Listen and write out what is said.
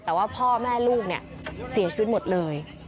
แต่ว่าพ่อแม่ลูกเนี่ยเสียชีวิตหมดเลย